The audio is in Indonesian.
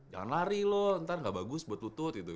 jangan lari loh ntar gak bagus buat lutut gitu